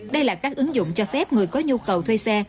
đây là các ứng dụng cho phép người có nhu cầu thuê xe